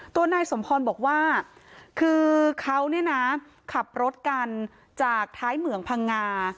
ตัวนายสมพรบอกว่าคือเขาเนี่ยนะขับรถกันจากท้ายเหมืองพังงา